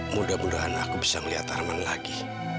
mudah mudahan aku bisa melihat arman lagi